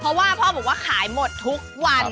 เพราะว่าพ่อบอกว่าขายหมดทุกวัน